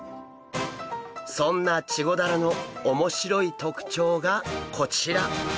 そんなチゴダラの面白い特徴がこちら！